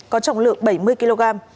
có trọng lượng bảy mươi kg